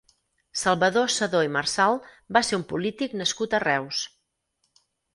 Salvador Sedó i Marsal va ser un polític nascut a Reus.